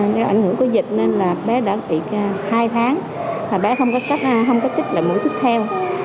do ảnh hưởng của dịch nên là bé đã bị hai tháng rồi bé không có chích lại mũi tiếp theo